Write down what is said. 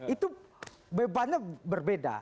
itu bebannya berbeda